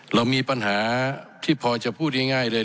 เรามีปัญหาที่พอจะพูดง่ายเลย